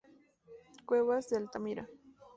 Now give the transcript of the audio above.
Cuevas de Altamira.